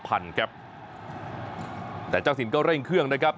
อย่างเช่นเช่นแต่เจ้าถิ่นก็เร่งเครื่องนะครับ